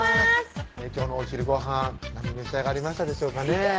今日のお昼ごはん何召し上がりましたでしょうかね